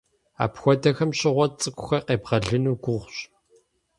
Апхуэдэхэм щыгъуэ цӀыкӀухэр къебгъэлыну гугъущ.